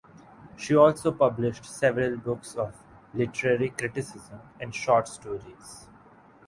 She also published several books of literary criticism and short stories.